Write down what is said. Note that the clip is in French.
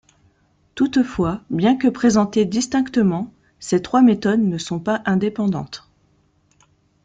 Toutefois, bien que présentées distinctement, ces trois méthodes ne sont pas indépendantes.